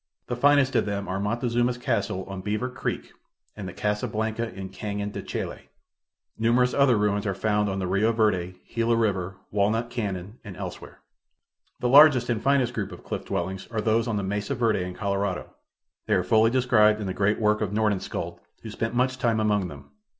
The finest of them are Montezuma's Castle on Beaver creek, and the Casa Blanca in Canon de Chelly. Numerous other ruins are found on the Rio Verde, Gila river, Walnut Canon and elsewhere. The largest and finest group of cliff dwellings are those on the Mesa Verde in Colorado. They are fully described in the great work of Nordenskiold, who spent much time among them.